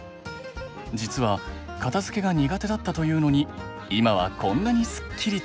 実は片づけが苦手だったというのに今はこんなにスッキリと！